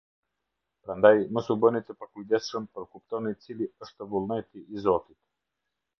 Prandaj mos u bëni të pakujdesshëm, por kuptoni cili është vullneti i Zotit.